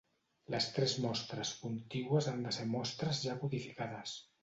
Les tres mostres contigües han de ser mostres ja codificades.